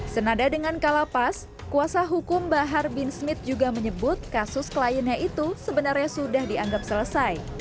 senada dengan kalapas kuasa hukum bahar bin smith juga menyebut kasus kliennya itu sebenarnya sudah dianggap selesai